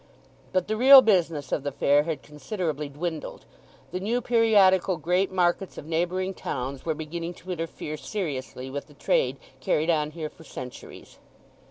But the real business of the fair had considerably dwindled. The new periodical great markets of neighbouring towns were beginning to interfere seriously with the trade carried on here for centuries.